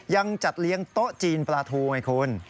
ยังจัดเลี้ยงโต๊ะจีนปลาทูไงคุณ